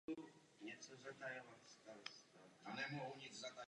Před členstvím v Unii pro lidové hnutí byl členem Sdružení pro republiku.